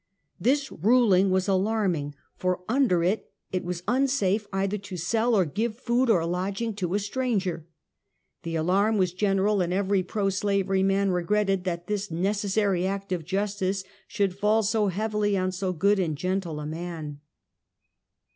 This ruling was alarming, for under it, it was unsafe either to sell or give food or lodging to a stranger. The alarm was general, and even pro slavery men re gretted that this necessary act of justice should fall so heavily on so good and gentle a man.